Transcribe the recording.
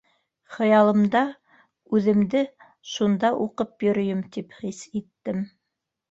Хыялымда үҙемде шунда уҡып йөрөйөм тип хис иттем.